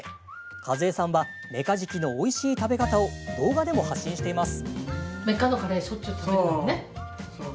和枝さんはメカジキのおいしい食べ方を動画でも発信しています。